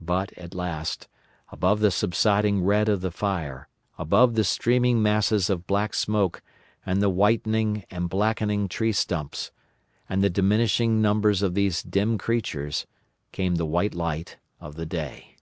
But, at last, above the subsiding red of the fire, above the streaming masses of black smoke and the whitening and blackening tree stumps, and the diminishing numbers of these dim creatures, came the white light of the day.